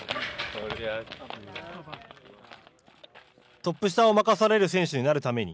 トップ下を任される選手になるために。